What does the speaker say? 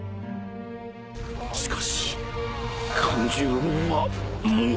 しかしカン十郎はもう